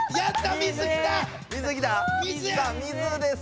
水です。